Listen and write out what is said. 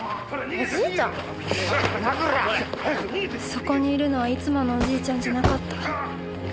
そこにいるのはいつものおじいちゃんじゃなかった。